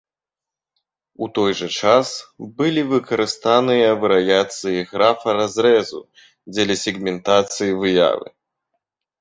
У той жа час, былі выкарыстаныя варыяцыі графа разрэзу дзеля сегментацыі выявы.